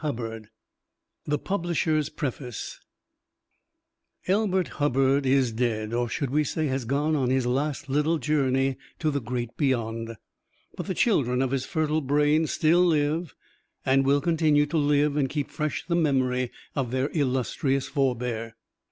New York 1916 PUBLISHER'S PREFACE Elbert Hubbard is dead, or should we say, has gone on his last Little Journey to the Great Beyond. But the children of his fertile brain still live and will continue to live and keep fresh the memory of their illustrious forebear.